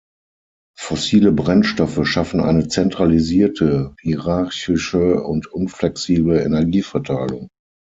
Fossile Brennstoffe schaffen eine zentralisierte, hierarchische und unflexible Energieverteilung.